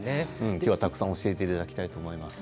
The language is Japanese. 今日は、たくさん教えていただきたいと思います。